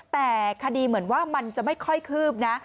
แต่คดีเหมือนว่ามันจะไม่ค่อยคืบนะ